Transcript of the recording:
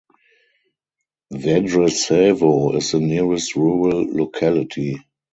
Vedresevo is the nearest rural locality.